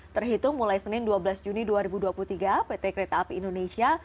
terhitung mulai senin dua belas juni dua ribu dua puluh tiga pt kereta api indonesia